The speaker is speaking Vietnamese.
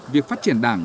việc phát triển đảng